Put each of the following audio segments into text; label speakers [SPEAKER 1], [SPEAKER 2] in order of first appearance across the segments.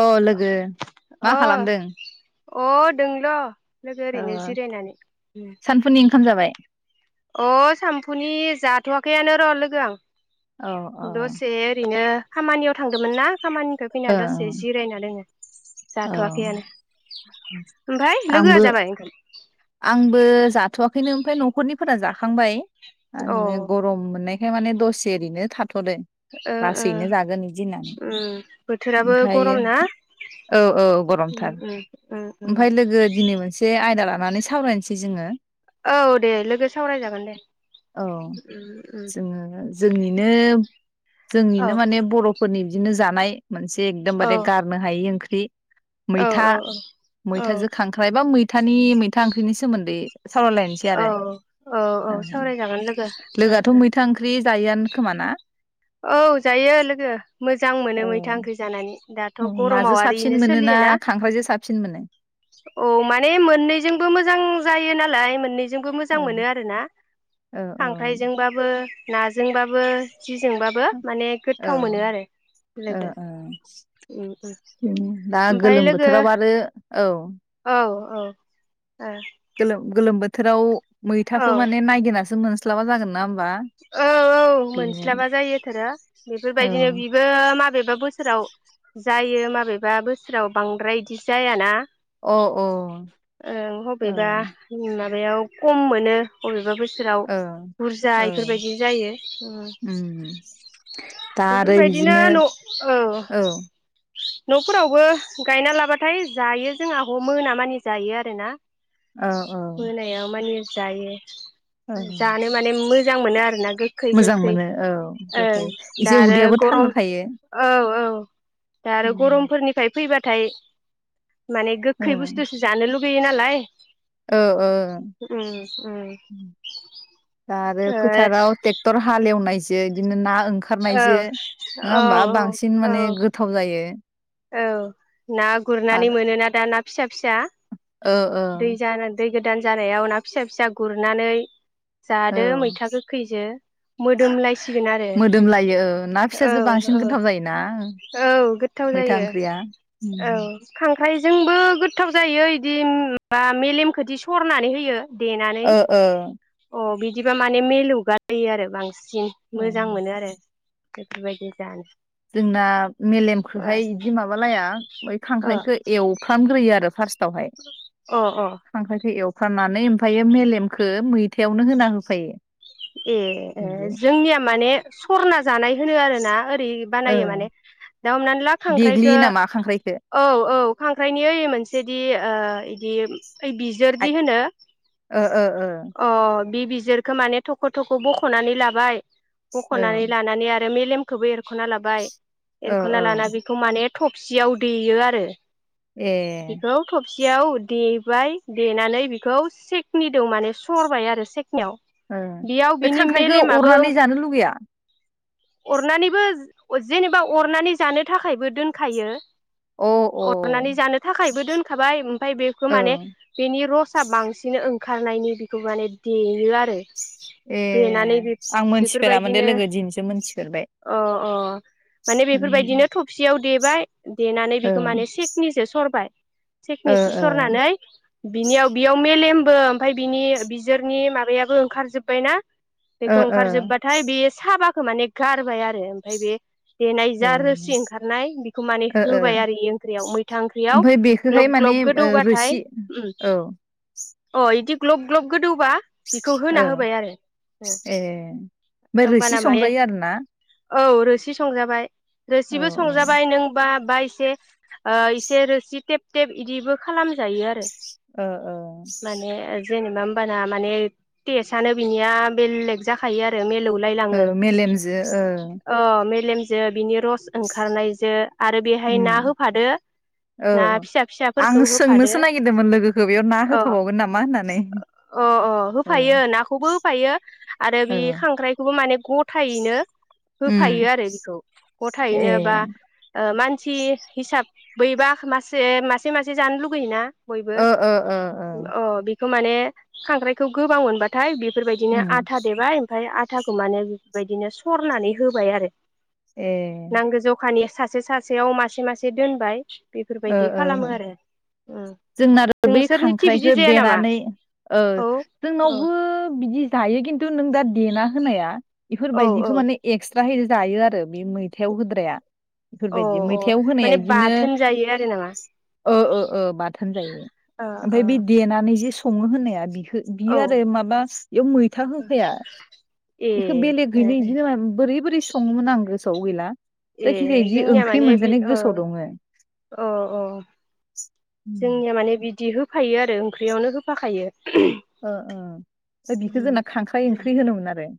[SPEAKER 1] औ लोगो
[SPEAKER 2] अ
[SPEAKER 1] मा खालामदों?
[SPEAKER 2] अ दोंल' लोगो
[SPEAKER 1] ओ
[SPEAKER 2] ओरैनो जिरायनानै
[SPEAKER 1] सानफुनि ओंखाम जाबाय?
[SPEAKER 2] अ सामफुनि जाथ'वाखै नो र' लोगो आं
[SPEAKER 1] औ औ
[SPEAKER 2] दसे ओरैनो खामानियाव थांदोंमोन ना खामानिनिफ्राय फैना
[SPEAKER 1] ओ
[SPEAKER 2] दसे जिरायना दोङो
[SPEAKER 1] औ
[SPEAKER 2] जाथ'वाखैआनो ओमफाय लोगोआ
[SPEAKER 1] आंबो
[SPEAKER 2] जाबाय ओंखाम?
[SPEAKER 1] आंबो जाथ'वाखैनो ओमफ्राय न'खरनिफोरा जाखांबाय।
[SPEAKER 2] अ ओ
[SPEAKER 1] आंनो गरम मोननाय ओमफ्राय माने दसे ओरै थाब थदो
[SPEAKER 2] ओ
[SPEAKER 1] लासैनो जागोन बिदि होननानै
[SPEAKER 2] उम बोथोराबो
[SPEAKER 1] ओमफ्राय
[SPEAKER 2] गरम ना
[SPEAKER 1] औ औ
[SPEAKER 2] उम
[SPEAKER 1] गरमथार
[SPEAKER 2] उम उम उम
[SPEAKER 1] ओमफ्राय लोगो दिनै मोनसे आयदा लानानै सावरायनोसै जोङो
[SPEAKER 2] औ दे लोगो सावरायजागोन दे
[SPEAKER 1] औ
[SPEAKER 2] ओम ओम
[SPEAKER 1] जोङो जोंनिनो जोंनिनो माने बर'फोरनि बिदिनो जानाय मोनसे
[SPEAKER 2] औ
[SPEAKER 1] एकदमबारे गारनो हायो ओंख्रि [unintelligible]
[SPEAKER 2] औ
[SPEAKER 1] मैथा
[SPEAKER 2] औ औ
[SPEAKER 1] मैथाजों खांख्राय बा मै थानि मै
[SPEAKER 2] औ औ औ सावरायजागोन लोगो ओ ओ
[SPEAKER 1] जायो आनो खोमा ना?
[SPEAKER 2] औ जायो लोगो मोजां मोनो
[SPEAKER 1] औ
[SPEAKER 2] मैथा ओंख्रि जानानै थ'
[SPEAKER 1] औ नाजों
[SPEAKER 2] गरमाव आरो
[SPEAKER 1] साबसिन
[SPEAKER 2] इनो
[SPEAKER 1] मोनो ना
[SPEAKER 2] सोलियोना
[SPEAKER 1] खांख्राइजों साबसिन मोनो
[SPEAKER 2] औ माने मोननैजोंबो मोजां जायो नालाय मोननै बे जोंबो मोजां
[SPEAKER 1] औ
[SPEAKER 2] मोनो आरोना
[SPEAKER 1] औ
[SPEAKER 2] खांख्राइजोंबाबो ना जोंबाबो
[SPEAKER 1] औ ओ ओ
[SPEAKER 2] लोगो
[SPEAKER 1] ओ
[SPEAKER 2] उम उम
[SPEAKER 1] दा
[SPEAKER 2] ओमफाय
[SPEAKER 1] गोलोम
[SPEAKER 2] लोगो
[SPEAKER 1] बोथोराव आरो औ
[SPEAKER 2] औ औ आ
[SPEAKER 1] गोलोम गोलोम बोथोराव
[SPEAKER 2] औ
[SPEAKER 1] मैथाखौ माने नायगिरनासो मोन स्लाबा जागोन ना
[SPEAKER 2] औ औ
[SPEAKER 1] बेनो
[SPEAKER 2] मोनस्लाबा जायो थोरो बेफोरबायदिनो बिबो माबेबा बोसो बोसोराव जायो माबेबा बोसोराव बांद्राय इदि जाया ना?
[SPEAKER 1] औ अ
[SPEAKER 2] ओं
[SPEAKER 1] अ
[SPEAKER 2] हबेबा बिमा माबायाव खम मोनो बबेबा बोसो सोराव
[SPEAKER 1] औ औ
[SPEAKER 2] बुरजाय बेफोरबायदि जायो ओं
[SPEAKER 1] उम दा आरो
[SPEAKER 2] बेफोरबायदिनो
[SPEAKER 1] बिदिनो
[SPEAKER 2] न औ न'फोरावबो गायना लाबाथाय जायो जोंहा हम मोनो मानि जायो आरो ना।
[SPEAKER 1] औ औ
[SPEAKER 2] मोनायाव मानि जायो
[SPEAKER 1] औ
[SPEAKER 2] जानो माने मोजां मोनो आरो ना गोखै
[SPEAKER 1] मोजां
[SPEAKER 2] गोखै
[SPEAKER 1] मोनो औ गोखै
[SPEAKER 2] ओं दा
[SPEAKER 1] एसे
[SPEAKER 2] आरो
[SPEAKER 1] उदैयाबो
[SPEAKER 2] गरम
[SPEAKER 1] थान्दा थायो
[SPEAKER 2] औ औ दा आरो गरमफोरनिफ्राय फैबाथाय माने गोखै बुस्थुसो जानो लुगै बैयो नालाय
[SPEAKER 1] औ औ
[SPEAKER 2] उम उम
[SPEAKER 1] दा आरो
[SPEAKER 2] ओ
[SPEAKER 1] फोथाराव ट्रेक्टर हालेवनाय ज बेबायदिनो ना
[SPEAKER 2] औ
[SPEAKER 1] ओंखारनायजों नङा
[SPEAKER 2] औ
[SPEAKER 1] होमबा बांसिन
[SPEAKER 2] औ
[SPEAKER 1] माने गोथाव जायो
[SPEAKER 2] औ ना गुरनानै
[SPEAKER 1] आरो
[SPEAKER 2] मोनोना दा ना फिसा फिसा
[SPEAKER 1] ओ ओ
[SPEAKER 2] दै जानो दै गो गोदान जानायाव ना फिसा फिसा गुरनानै
[SPEAKER 1] औ
[SPEAKER 2] जादो मैथा गोखैजो मोदोमलायसिगोन आरो
[SPEAKER 1] मोदोमलायो औ ना
[SPEAKER 2] औ
[SPEAKER 1] फिसाजो बांसिन
[SPEAKER 2] औ
[SPEAKER 1] गोथाव जायोना
[SPEAKER 2] औ
[SPEAKER 1] मैथा
[SPEAKER 2] जायो
[SPEAKER 1] ओंख्रिया
[SPEAKER 2] औ खा खांख्रायजोंबो गोथाव जायो इदि माबा मेलेमखोदि सरनानै होयो देनानै
[SPEAKER 1] ओ ओ
[SPEAKER 2] अ बिदि बिदिबा माने मेलौगा लायो आरो बांसिन सिन मोजां मोनो आरो बेफोरबायदि जानो अ
[SPEAKER 1] ओमफ्राय इदि माबालाया ओमफाय
[SPEAKER 2] अ
[SPEAKER 1] खांख्राइखौ एवफ्रामग्रोयो आरो फार्स तावहाय
[SPEAKER 2] अ
[SPEAKER 1] खांख्राइखो एव खानानै ओमफ्रायो मेलेमखो मैथायावनो होना होफायो
[SPEAKER 2] ए ओ
[SPEAKER 1] बिदि
[SPEAKER 2] जोंनिया माने सरना जानाय होनो आरो ना ओरै
[SPEAKER 1] ओ
[SPEAKER 2] बानायो माने दा हमनानै ला खांख्राइखो
[SPEAKER 1] देग्लियो नामा खांख्राइखो
[SPEAKER 2] औ औ खांख्राइनि ओइ मोनसेदि ओ इदि ओइ बिजोरदि होनो
[SPEAKER 1] ओ ओ ओ
[SPEAKER 2] अ बि बिज जिरखौ माने थख थख बखनानै लाबाय।
[SPEAKER 1] औ
[SPEAKER 2] बखनानै लानानै आरो मेलम खोबो एरख एरखना लाबाय
[SPEAKER 1] ओ ओ
[SPEAKER 2] एरखना लाना बेखौ माने थफसियाव देयो आरो
[SPEAKER 1] ए
[SPEAKER 2] सियाव देबाय देनानै बिखौ सेकनि दो माने सरबाय आरो सेक ख्नियाव
[SPEAKER 1] ओ
[SPEAKER 2] बेयाव
[SPEAKER 1] बे
[SPEAKER 2] बिनि
[SPEAKER 1] खांख्राइखौ
[SPEAKER 2] मेलेमाबो
[SPEAKER 1] अरनानै जानो लुगैया
[SPEAKER 2] अरनानैबो ओ जेनेबा अरनानै जानो थाखायबो दोनखायो।
[SPEAKER 1] अ अ औ
[SPEAKER 2] अरनानै जानो थाखायबो दोनखाबाय ओमफफ्राय बेखौ माने बेनि रसाआ बांसिन ओं खारनायनि बेखौ माने देयो आरो
[SPEAKER 1] ए
[SPEAKER 2] देनानै
[SPEAKER 1] आं मोनथिफेरामोन दे
[SPEAKER 2] बेफोरबायदिनो
[SPEAKER 1] लोगो दिनैसो मोनथिफेरबाय
[SPEAKER 2] अ अ माने
[SPEAKER 1] औ
[SPEAKER 2] बेफोरबायदिनो थबसियाव देबाय देनानै
[SPEAKER 1] ओ
[SPEAKER 2] बेखौ माने सेकनिजो सरबाय। चेकनि
[SPEAKER 1] ओ
[SPEAKER 2] सि
[SPEAKER 1] ओ
[SPEAKER 2] सरनानै बिनियाव बेयाव मेलेम ओ ओमफ्राय बिनि बिजोरनि माबायाबो ओंखारजोब्बायना।
[SPEAKER 1] ओ
[SPEAKER 2] बेखौ ओंखारजोब्बाथाय बेयो साबा खो माने गारबाय आरो ओमफ्राय बे देनाय
[SPEAKER 1] ए
[SPEAKER 2] जा रोसि ओंखारनाय बेखौ माने
[SPEAKER 1] ओ ओ
[SPEAKER 2] होबाय आरो इ ओंख्रियाव मैथा ओंख्रियाव
[SPEAKER 1] ओमफ्राय बेखौहाय
[SPEAKER 2] ग्लब
[SPEAKER 1] माने
[SPEAKER 2] ग्लब
[SPEAKER 1] ओ
[SPEAKER 2] गोदौबाथाय
[SPEAKER 1] रोसि
[SPEAKER 2] ओम
[SPEAKER 1] औ
[SPEAKER 2] अ इदि ग्लब ग्लब गोदौ
[SPEAKER 1] औ ए ओमफ्राय रोसि
[SPEAKER 2] होमबाना माने
[SPEAKER 1] संजायो आरोना
[SPEAKER 2] औ रोसि संजाबाय रोसिबो
[SPEAKER 1] औ
[SPEAKER 2] संजाबाय नों बा बायसे ओ इसे रोसि टेप स्टेब इदिबो खालाम जायो आरो
[SPEAKER 1] औ औ
[SPEAKER 2] माने जेनेबा होमबाना माने टेस्टनो बिनिया बेलेग जाखायो आरो मेल मिलौलाय
[SPEAKER 1] ओ
[SPEAKER 2] लाङो
[SPEAKER 1] मेलेमजो ओ
[SPEAKER 2] अ मेलेम जे बिनि रस ओंखारनायजों
[SPEAKER 1] उन
[SPEAKER 2] ना
[SPEAKER 1] ओ
[SPEAKER 2] फिसा फिसाफोरखौ
[SPEAKER 1] आं
[SPEAKER 2] होफादो
[SPEAKER 1] सोंनोसो नागिरदोंमोन लोगोखौ बेयाव ना
[SPEAKER 2] अ
[SPEAKER 1] होफाबावगोन नामा होननानै।
[SPEAKER 2] अ अ
[SPEAKER 1] ओ
[SPEAKER 2] होफायो नाखौबो होफायो आरो बि
[SPEAKER 1] औ
[SPEAKER 2] खांख्रायखौबो माने गथायैनो
[SPEAKER 1] उम
[SPEAKER 2] होफायो आरो बेखौ
[SPEAKER 1] ए
[SPEAKER 2] गथायैनो बा ओ मा सि हिसाब बैबा मासे मासे मासे जानो लुगैयोना बयबो
[SPEAKER 1] ओ ओ ओ ओ
[SPEAKER 2] अ बेखौ माने खांख्राइखौ गोबां मोनबाथाय बे बेफोरबायदिनो
[SPEAKER 1] उम
[SPEAKER 2] आथा देबाय ओमफाय आथाखौ माने बेफोर बायदिनो सरनानै होबाय आरो।
[SPEAKER 1] ए
[SPEAKER 2] नांगो जखानि सासे सासेयाव मासे मासे दोनबाय।
[SPEAKER 1] ओ
[SPEAKER 2] बेफोरबायदि
[SPEAKER 1] ओ
[SPEAKER 2] खालामो आरो उं
[SPEAKER 1] जोंनाथ' बे
[SPEAKER 2] नोंसोरनिथि बिदि
[SPEAKER 1] खांख्राइखौ
[SPEAKER 2] जाया नामा?
[SPEAKER 1] देनानै ओ
[SPEAKER 2] औ
[SPEAKER 1] जोंनावबो
[SPEAKER 2] औ
[SPEAKER 1] बिदि दायो किन तु नों दा देना होनाया बेफोरबायदिखो
[SPEAKER 2] औ
[SPEAKER 1] माने एक्स त्राहै जायो आरो बे मैथायाव होद्राया।
[SPEAKER 2] अ
[SPEAKER 1] बेफोरबायदि
[SPEAKER 2] अ माने बाथोन जायो आ
[SPEAKER 1] औ औ औ बाथोन जायो ओमफाय बे
[SPEAKER 2] ओ
[SPEAKER 1] देनानै जे सङो होननाया बिह बियो
[SPEAKER 2] ओ
[SPEAKER 1] आरो माबा इयाव मैथा
[SPEAKER 2] औ
[SPEAKER 1] होफाया
[SPEAKER 2] ए
[SPEAKER 1] इखो बेलेग गैनो
[SPEAKER 2] ए
[SPEAKER 1] बिदिनो बोरै बोरै सङोमोन सङो आं गो गोसोआव गैला।
[SPEAKER 2] ए
[SPEAKER 1] जायखिजाया इदि
[SPEAKER 2] जोंनिया
[SPEAKER 1] ओंख्रि
[SPEAKER 2] माने बे
[SPEAKER 1] मोनजानाय
[SPEAKER 2] ओ
[SPEAKER 1] गोसोआव दङो।
[SPEAKER 2] अ औ जोंनिया माने बि बिदि होफायो आरो ओंख्रियावनो होफाखायो।
[SPEAKER 1] ओ ओ फाय बिखौ
[SPEAKER 2] उम
[SPEAKER 1] जोंना खांख्राइ ओंख्रि होनोमोन आरो।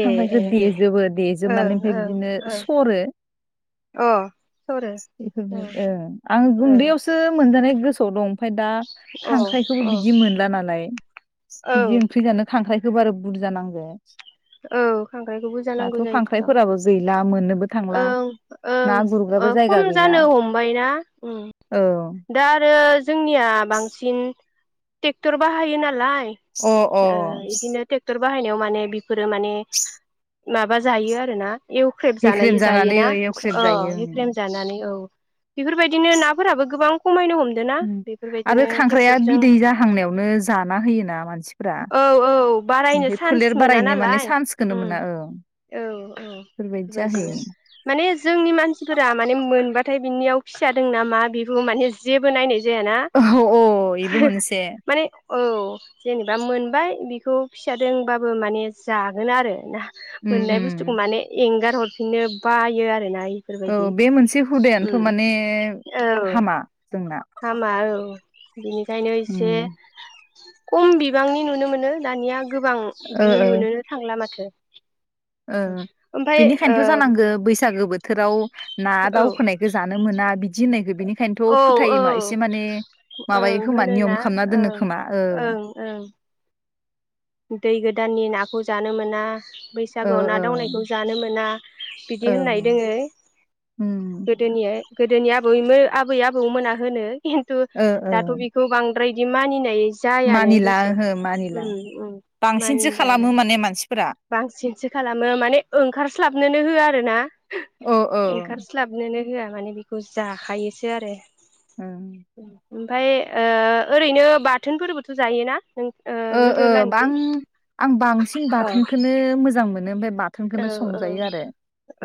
[SPEAKER 2] ए
[SPEAKER 1] खांख्राइखौ
[SPEAKER 2] ए ए
[SPEAKER 1] देजोबो
[SPEAKER 2] ओं
[SPEAKER 1] देजोबनानै ओमफाय
[SPEAKER 2] ओं
[SPEAKER 1] बिदिनो
[SPEAKER 2] ओं
[SPEAKER 1] सरो
[SPEAKER 2] अ सरो ओं
[SPEAKER 1] बेफोरबायदि ओ आं उन्दैयावसो मोनजानाय गोसोआव दं ओमफ्राय दा
[SPEAKER 2] ओं
[SPEAKER 1] खांख्राइखोबो
[SPEAKER 2] अ
[SPEAKER 1] बिदि मोनला नाला
[SPEAKER 2] अ औ
[SPEAKER 1] बिदि ओंख्रि जानो खां खांख्राइखौ आरो बुरजा नांग।
[SPEAKER 2] औ खांख्रायखौबो जानांगौ जायोथ रं
[SPEAKER 1] खांख्राइफोराबो गैला मोननोबो थांला
[SPEAKER 2] ओं
[SPEAKER 1] ना गुरग्राबो
[SPEAKER 2] ओं खम
[SPEAKER 1] जायगा गैला
[SPEAKER 2] जानो हमबायना ओं
[SPEAKER 1] औ
[SPEAKER 2] दा आरो जोंनिया बांसिन टेक्ट'र बाहायो नालाय
[SPEAKER 1] अ अ
[SPEAKER 2] ओ इदिनो टेक्ट'र बाहायनायाव माने बि फोरो माने माबा जायो आरोना इउख्रेब
[SPEAKER 1] गेख्रेम
[SPEAKER 2] जानाय
[SPEAKER 1] जानानै
[SPEAKER 2] जायोना
[SPEAKER 1] एवख्रेब
[SPEAKER 2] औ
[SPEAKER 1] जायो ओं
[SPEAKER 2] इउख्रेम जानानै औ बेफोरबायदिनो नाफोराबो गोबां खमायनो हम
[SPEAKER 1] उम आरो खांख्राया बिदै जाहांनायावनो जाना होयोना मानसिफोरा ओमफाय फोलेर बारायनो माने
[SPEAKER 2] लाय उ
[SPEAKER 1] चान्सखौनो मोना
[SPEAKER 2] औ औ
[SPEAKER 1] बेफोरबायदि
[SPEAKER 2] बेफोरबायदिनो
[SPEAKER 1] जाहैयो
[SPEAKER 2] माने जोंनि मानसिफोरा माने मोनबा थाय बिनियाव फिसा दोंना मा बेबो माने जेबो नायनाय जायाना
[SPEAKER 1] औ औ
[SPEAKER 2] ना
[SPEAKER 1] बेबो
[SPEAKER 2] [unintelligible]
[SPEAKER 1] मोनसे
[SPEAKER 2] माने औ जेनेबा मोनबाय बेखौ फिसादोंबाबो माने जागोन आरो ना
[SPEAKER 1] उम
[SPEAKER 2] मोननाय
[SPEAKER 1] उम
[SPEAKER 2] बुस्थुखौ माने एंगार हरफिननो बायो आरो ना
[SPEAKER 1] औ बे मोनसे हुदायानोथ' माने
[SPEAKER 2] औ
[SPEAKER 1] हामा जोंना
[SPEAKER 2] हामा औ बेनिखायनो एसे
[SPEAKER 1] उम
[SPEAKER 2] कम बिबांनि नुनो मोनो दानिया गोबां
[SPEAKER 1] ओ
[SPEAKER 2] बिदि
[SPEAKER 1] ओ
[SPEAKER 2] नुनोनो थांला माथो
[SPEAKER 1] ओ
[SPEAKER 2] ओमफाय
[SPEAKER 1] बिनिखायनोथ'
[SPEAKER 2] ओ
[SPEAKER 1] जानांगो बैसागो बो बोथोराव ना दावखोनायखौ जानो मो ना बिदि होननायखौ बेनि
[SPEAKER 2] औ
[SPEAKER 1] बेखायनोथ' फोथायोमा
[SPEAKER 2] औ
[SPEAKER 1] एसे माने
[SPEAKER 2] ओं
[SPEAKER 1] माबायो खोमा
[SPEAKER 2] होनोना
[SPEAKER 1] नियम खालामना दोननो
[SPEAKER 2] ओं
[SPEAKER 1] खोमा औ
[SPEAKER 2] ओं ओं दै गोदाननि नाखौ जानो मोना
[SPEAKER 1] ओ
[SPEAKER 2] बैसागुआव ना
[SPEAKER 1] ओ
[SPEAKER 2] दावनायखौ जानो मोना बिदि होननाय
[SPEAKER 1] ओ
[SPEAKER 2] दोङो
[SPEAKER 1] उम
[SPEAKER 2] गोदोनियो गोदोनि आबैमोन आबै आबौमोना होनो खिन्थु
[SPEAKER 1] ओ ओ
[SPEAKER 2] दाथ' बेखौ बां बांद्राय इदि मानिनाय जायानो
[SPEAKER 1] मानिला
[SPEAKER 2] दस'
[SPEAKER 1] ओहो मानिला
[SPEAKER 2] उम उम
[SPEAKER 1] बांसिनसो
[SPEAKER 2] मानिलानो
[SPEAKER 1] खालामो माने मान
[SPEAKER 2] बांसिनसो खालामो माने ओंखारस्लाबनोनो हो आरो ना
[SPEAKER 1] औ औ
[SPEAKER 2] ओंखारस्लाबनोनो होआ माने बेखौ जाखायोसो आरो
[SPEAKER 1] उम
[SPEAKER 2] ओमफाय ओ ओरैनो बाथोनफोरबोथ' जायोना नों
[SPEAKER 1] ओ
[SPEAKER 2] लोगो
[SPEAKER 1] ओ
[SPEAKER 2] लानिखि
[SPEAKER 1] बां आं बांसिन
[SPEAKER 2] अ
[SPEAKER 1] बाथोनखोनो मोजां मोनो ओमफाय बाथोन
[SPEAKER 2] औ
[SPEAKER 1] खोनो
[SPEAKER 2] औ
[SPEAKER 1] संजायो आरो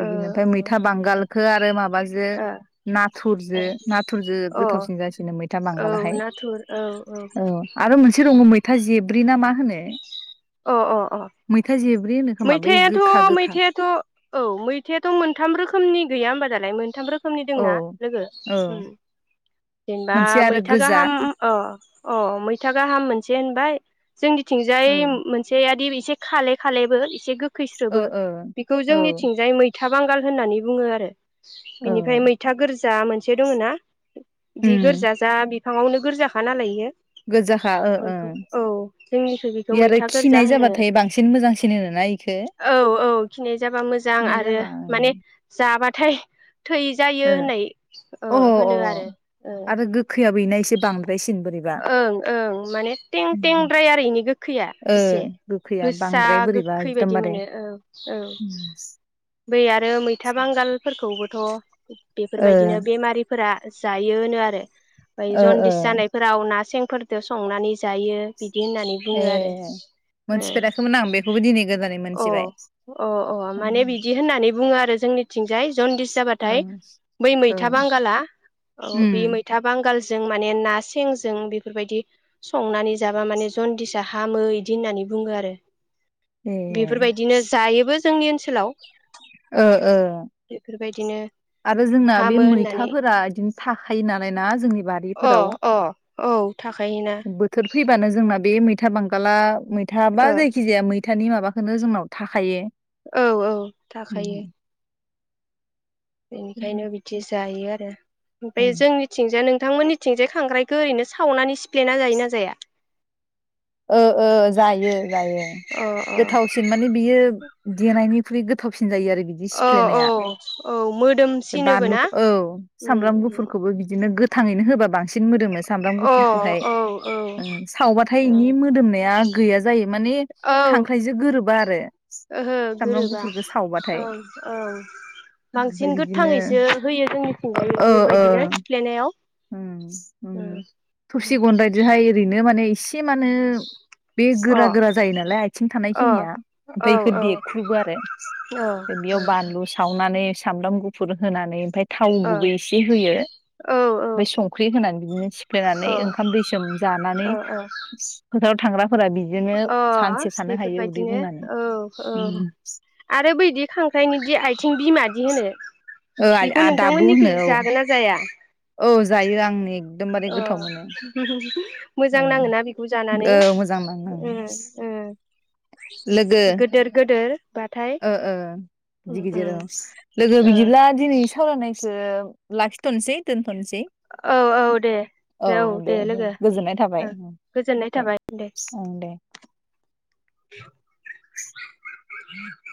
[SPEAKER 2] औ
[SPEAKER 1] ओमफाय मैथा बांगालखो आरो माबाजो
[SPEAKER 2] ओ
[SPEAKER 1] ना थुरजो नाथुरजो
[SPEAKER 2] ओ
[SPEAKER 1] गोथावसिन
[SPEAKER 2] अ
[SPEAKER 1] जासिनो मैथा
[SPEAKER 2] औ
[SPEAKER 1] बांगालाहाय
[SPEAKER 2] नाथुर औ
[SPEAKER 1] औ आरो मोनसे दङ मैथ ब्रिना मा होनो?
[SPEAKER 2] अ अ अ
[SPEAKER 1] मैथा जेब्रि होनो खोमा बै
[SPEAKER 2] मैथायाथ'
[SPEAKER 1] गोखा गोखा
[SPEAKER 2] मैथायाथ' औ मैथायाथ' मोनथाम रोखोमनि गैया होमबा दालाय मोनथाम रोखोम खोमनि
[SPEAKER 1] औ
[SPEAKER 2] दोंना लोगो
[SPEAKER 1] औ
[SPEAKER 2] उम जेनेबा
[SPEAKER 1] मोनसे आरो
[SPEAKER 2] मैथा
[SPEAKER 1] गोजा
[SPEAKER 2] गाहाम अ अ मैथा गाहाम मोनसे होनबाय जोंनिथिंजाय
[SPEAKER 1] औ
[SPEAKER 2] एसेयादि एसे खाले खालेबो एसे गो
[SPEAKER 1] ओ
[SPEAKER 2] खैस्रोबो
[SPEAKER 1] ओ
[SPEAKER 2] बेखौ
[SPEAKER 1] औ
[SPEAKER 2] जोंनिथिंजाय मैथा था बांगाल होननानै बुङो आरो।
[SPEAKER 1] औ
[SPEAKER 2] बिनिफ्राय मैथा गोरज जा मोनसे दङो ना दि
[SPEAKER 1] उम
[SPEAKER 2] गोरजाजा फाङावनो गोरजाखा नालाय इयो अ
[SPEAKER 1] गोजाखा ओ ओ
[SPEAKER 2] इखौ औ जोंनिखै बेखौ
[SPEAKER 1] इ आरो
[SPEAKER 2] मैथ
[SPEAKER 1] खिनाय जाबाथाय बांसिन मोजांसिन होनोना इखो?
[SPEAKER 2] औ औ खिनाय जाबा मोजां
[SPEAKER 1] खिनाय
[SPEAKER 2] आरो
[SPEAKER 1] जाबा
[SPEAKER 2] माने
[SPEAKER 1] ओं।
[SPEAKER 2] जाबाथाय थै जायो
[SPEAKER 1] ओ
[SPEAKER 2] होननाय ओ होनो आरो ओ।
[SPEAKER 1] वैना एसे बांद्रायसिनबो
[SPEAKER 2] ओं ओं माने थें थेंद्राय आरो इनि गोखैया
[SPEAKER 1] ओ
[SPEAKER 2] एसे
[SPEAKER 1] गोखैया
[SPEAKER 2] गोसा
[SPEAKER 1] बांद्राय बोरैबा
[SPEAKER 2] गोखै बायदि
[SPEAKER 1] एकदमबारे
[SPEAKER 2] मोनो औ औ बै आरो मैथा बांगालफोरखौबोथ'
[SPEAKER 1] ओ
[SPEAKER 2] बेफोरबायदिनो बेमारिफोरा जायोनो आरो। फ्राय
[SPEAKER 1] ओ ओ
[SPEAKER 2] जनदिस जानाय फोराव ना सेंफोरदो संनानै जायो बि बिदि होननानै बुङो
[SPEAKER 1] ए
[SPEAKER 2] आरो
[SPEAKER 1] मोनथिफेराखैमोन आं बेखौबो दिनै गोदानै
[SPEAKER 2] ओ
[SPEAKER 1] मोनथिबाय
[SPEAKER 2] अ अ अ माने बिदि होननानै बुङो आरो। जोंनिथिं जाय जनदिस जाबाथाय
[SPEAKER 1] ओं
[SPEAKER 2] बै
[SPEAKER 1] औ
[SPEAKER 2] मैथा बांगाला औ बै
[SPEAKER 1] उम
[SPEAKER 2] मैथा बांगलज जों माने ना सेंजों बेफोरबायदि संनानै जाबा माने जनदिसा हामो इदि होननानै बुङो आरो
[SPEAKER 1] ए
[SPEAKER 2] बेफोरबायदिनो जायोबो जोंनि ओनसोलाव
[SPEAKER 1] ओ ओ
[SPEAKER 2] बेफोर बायदिनो
[SPEAKER 1] आरो जोंना बे मैथाफोरा इदिनो थाखायो नालाय ना जोंनि
[SPEAKER 2] अ
[SPEAKER 1] बारिफोराव
[SPEAKER 2] अ औ थाखायोना
[SPEAKER 1] बोथोर फैबानो जोंना बे मैथा बांगाला थाबा
[SPEAKER 2] ओ
[SPEAKER 1] जायखिजाया मै थानि माबाखौनो जोंनाव थाखायो
[SPEAKER 2] औ औ थाखायो
[SPEAKER 1] उम
[SPEAKER 2] बेनिखायनो बिदि जाय [unintelligible] ओमफाय
[SPEAKER 1] ओं
[SPEAKER 2] जोंनिथिंजाय नों थांमोननिथिंजाय खांख्रायखौ ओरैनो सावनानै सिफ्लेना जायो ना जाया
[SPEAKER 1] ओ ओ जायो जायो
[SPEAKER 2] अ अ
[SPEAKER 1] गोथावसिन माने बियो देनायनिख्रुइ गोथ सिन जायो आरो बिदि
[SPEAKER 2] औ औ
[SPEAKER 1] सिफ्लेनाया
[SPEAKER 2] औ मोदोमसिनोबो
[SPEAKER 1] बानलु
[SPEAKER 2] ना
[SPEAKER 1] औ सामब्राम
[SPEAKER 2] उम उम
[SPEAKER 1] गुफुरखौबो बिदिनो गो थाङैनो होबोब बांसिन मोदोमो सामब्राम
[SPEAKER 2] अ
[SPEAKER 1] गुफुर खोहाय
[SPEAKER 2] औ औ
[SPEAKER 1] ओ सावबाथाय बिनि मोदोमनाया गैया जायो माने
[SPEAKER 2] औ
[SPEAKER 1] थांख्राइजों गोरोबा आरो [unintelligible]
[SPEAKER 2] ओहो
[SPEAKER 1] सामब्राम
[SPEAKER 2] गोरोबा
[SPEAKER 1] गुफुरखौ सावबाथाय
[SPEAKER 2] औ औ
[SPEAKER 1] ओमफ्राय
[SPEAKER 2] बांसिन
[SPEAKER 1] बिदिनो
[SPEAKER 2] गोथाङैसो होयो जोंनिथिंजाय
[SPEAKER 1] ओ ओ
[SPEAKER 2] बेबायदिनो थिफ्लेनायाव
[SPEAKER 1] उम उम थबसि गनदायजोहाय ओरैनो माने इस एसे मानो बे
[SPEAKER 2] अ
[SPEAKER 1] गोरा गोरा जायो नालाय आथिं
[SPEAKER 2] अ
[SPEAKER 1] थानायखिनिया ओमफाय
[SPEAKER 2] औ औ
[SPEAKER 1] इखौ
[SPEAKER 2] औ
[SPEAKER 1] देख्रुबो आरो
[SPEAKER 2] ओ औ
[SPEAKER 1] फ्राय बेयाव बानलु सावनानै स सामब्राम गुफुर होनानै ओमफाय थाव गुबै एसे होयो ओमफाय संख्रि होनानै बिदिनो
[SPEAKER 2] अ
[SPEAKER 1] सिफ्लेनानै ओंखाम दैसोम जानानै
[SPEAKER 2] अ अ
[SPEAKER 1] फोथाराव थांग्रा
[SPEAKER 2] अ
[SPEAKER 1] उदै
[SPEAKER 2] बेफोरबायदिनो
[SPEAKER 1] बुंनानै
[SPEAKER 2] औ औ आरो बैदि खांख्राइनि दि आथिं बिमा दि होनो
[SPEAKER 1] ओ
[SPEAKER 2] बेखौ
[SPEAKER 1] दाबु
[SPEAKER 2] नोंथांमोननि
[SPEAKER 1] होनो
[SPEAKER 2] थिं
[SPEAKER 1] औ
[SPEAKER 2] जागोन ना जाया [inaudible]
[SPEAKER 1] औ जायो आंनि एकदमबारे
[SPEAKER 2] अ
[SPEAKER 1] गोथाव मोनो
[SPEAKER 2] मोजां नाङोना बेखौ जानानै
[SPEAKER 1] औ मोजां नाङो
[SPEAKER 2] उम उम
[SPEAKER 1] लोगो
[SPEAKER 2] गोदोर गोदोर बाथाय
[SPEAKER 1] ओ ओ
[SPEAKER 2] उम
[SPEAKER 1] गिदिर गिदिर
[SPEAKER 2] उम
[SPEAKER 1] औ लोगो
[SPEAKER 2] ओ
[SPEAKER 1] बिदिब्ला दिनैनि सावरायनायखो लाखिथ'नसै दोन थ'नसै
[SPEAKER 2] औ औ दे
[SPEAKER 1] औ दे दे गोजोननाय थाबाय
[SPEAKER 2] ओ गोजोननाय
[SPEAKER 1] अ दे
[SPEAKER 2] थाबाय
[SPEAKER 1] ओं दे।
[SPEAKER 2] [inaudible] [inaudible]